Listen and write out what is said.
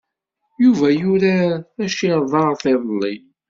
Yuba yurar tacirḍart iḍelli.